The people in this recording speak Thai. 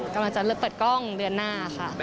กำลังจะเริ่มเปิดกล้องเดือนหน้าค่ะ